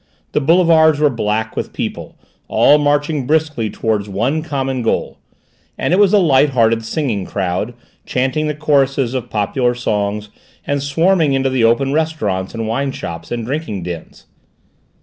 The boulevards were black with people, all marching briskly towards one common goal. And it was a light hearted, singing crowd, chanting the choruses of popular songs and swarming into the open restaurants and wine shops and drinking dens.